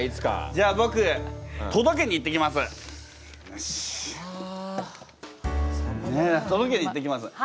じゃあぼくとどけに行ってきます！はあ。